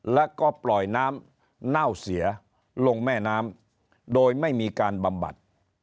แล้วก็ปล่อยน้ำเน่าเสียลงแม่น้ำโดยไม่มีการบำบัด